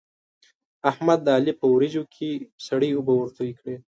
احمد د علي په وريجو کې سړې اوبه ورتوی کړې.